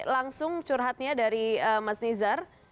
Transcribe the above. langsung curhatnya dari mas nizar